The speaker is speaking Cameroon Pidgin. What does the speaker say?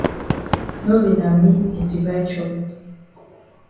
No be na me di divide chop.